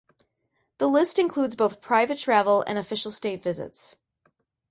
The list includes both private travel and official state visits.